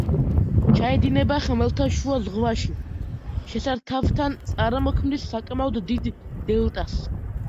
ჩაედინება ხმელთაშუა ზღვაში, შესართავთან წარმოქმნის საკმაოდ დიდ დელტას.